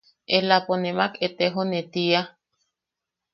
Elaʼapo nemak etejone– tiia.